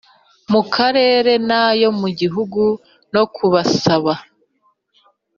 mu karere n ayo mu Gihugu no kubasaba